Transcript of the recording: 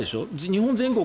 日本全国